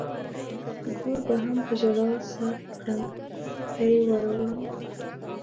ګور به هم په ژړا سر کړم که يې ور وړم.